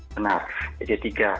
benar jadi tiga